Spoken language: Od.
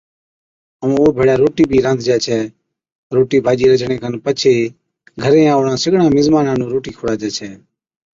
ائُون او ڀيڙَي روٽِي بِي رانڌجَي ڇَي۔ روٽِي ڀاڄِي رجھڻي کن پڇي گھرين آئُوڙان سِگڙان مزمانا نُون روٽِي کُڙاجَي ڇَي